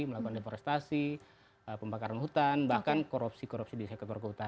melakukan deforestasi pembakaran hutan bahkan korupsi korupsi di sekolah